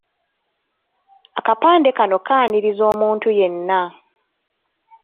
Akapande kano kaaniriza omuntu yenna.